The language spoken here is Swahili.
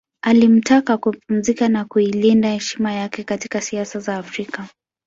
Alimtaka kupumzika na kuilinda heshima yake katika siasa za Afrika